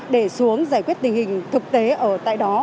để xuống giải quyết tình hình thực tế ở tại đó